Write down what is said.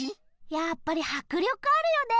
やっぱりはくりょくあるよね